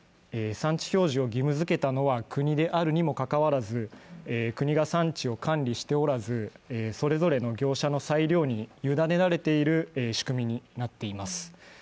産地表示を義務づけたのは国であるにもかかわらず、国が産地を管理しておらず、それぞれの業者の裁量に委ねられている仕組みになっています。